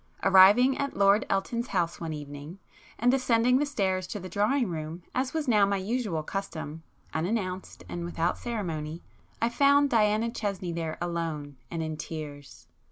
Arriving at Lord Elton's house one evening, and ascending the stairs to the drawing room as was now my usual custom, unannounced and without ceremony, I found Diana Chesney there alone and in tears.